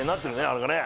あれがね。